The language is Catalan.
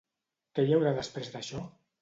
Què hi haurà després d'això?